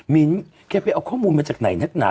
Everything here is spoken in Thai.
มีนแกไปเอาข้อมูลมาจากไหนนะ